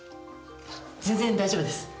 全然大丈夫です。